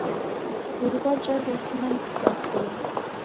Iruwa jawefuma idakoni